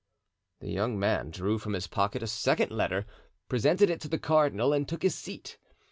The young man drew from his pocket a second letter, presented it to the cardinal, and took his seat.